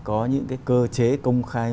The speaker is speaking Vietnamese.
có những cái cơ chế công khai